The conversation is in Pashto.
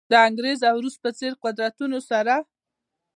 د انګریز او روس په څېر قدرتونو سره.